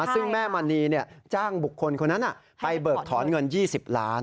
ซึ่งแม่มณีจ้างบุคคลคนนั้นไปเบิกถอนเงิน๒๐ล้าน